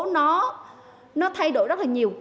nó thay đổi rất là nhiều